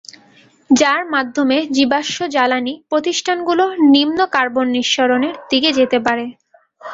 যার মাধ্যমে জীবাশ্ম জ্বালানি প্রতিষ্ঠানগুলো নিম্ন কার্বন নিঃসরণের দিকে যেতে পারে।